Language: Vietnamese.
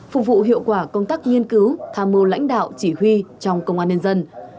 phục vụ hiệu quả công tác nghiên cứu tham mưu lãnh đạo chỉ huy trong công an nhân dân